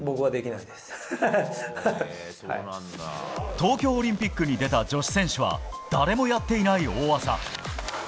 東京オリンピックに出た女子選手は誰もやっていない大技。